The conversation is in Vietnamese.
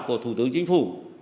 của thủ tướng chính phủ